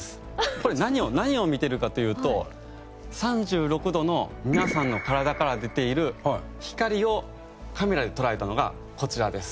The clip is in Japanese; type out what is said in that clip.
これ何を見てるかというと３６度の皆さんの体から出ている光をカメラで捉えたのがこちらです。